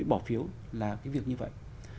bỏ phiếu là cái việc như vậy